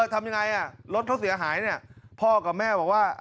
ทำยังไงรถเขาเสียหายเนี่ยพ่อกับแม่บอกว่า